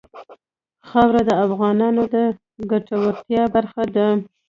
خاوره د افغانانو د ګټورتیا برخه ده.